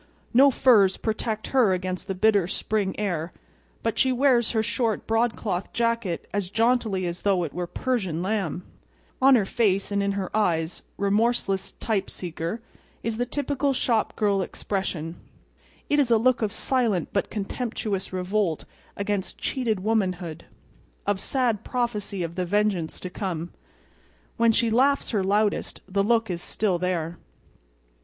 No furs protect her against the bitter spring air, but she wears her short broadcloth jacket as jauntily as though it were Persian lamb! On her face and in her eyes, remorseless type seeker, is the typical shop girl expression. It is a look of silent but contemptuous revolt against cheated womanhood; of sad prophecy of the vengeance to come. When she laughs her loudest the look is still there.